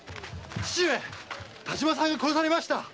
父上田島さんが殺されました